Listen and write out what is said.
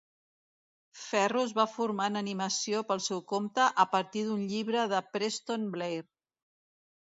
Ferro es va formar en animació pel seu compte a partir d'un llibre de Preston Blair.